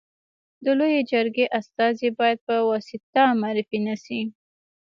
د لويي جرګي استازي باید په واسطه معرفي نه سي.